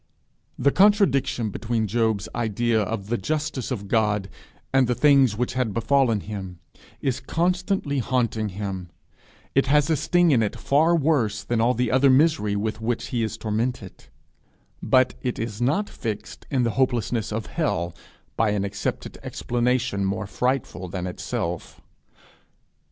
The contradiction between Job's idea of the justice of God and the things which had befallen him, is constantly haunting him; it has a sting in it far worse than all the other misery with which he is tormented; but it is not fixed in the hopelessness of hell by an accepted explanation more frightful than itself.